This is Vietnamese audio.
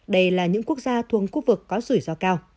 đây là những quốc gia thuông quốc vực có rủi ro cao